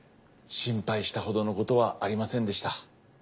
心配したほどのことはありませんでした。